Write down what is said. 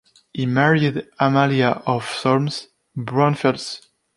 He married Amalia of Solms-Braunfels.